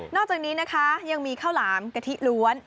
อกจากนี้นะคะยังมีข้าวหลามกะทิล้วน